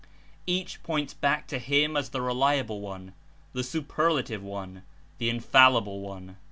Each points back to him as the reliable one, the superlative one, the infallible one.